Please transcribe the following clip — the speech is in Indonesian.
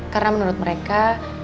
karena menurut mereka